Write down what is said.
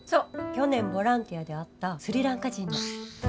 去年ボランティアで会ったスリランカ人の。